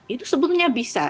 itu sebetulnya bisa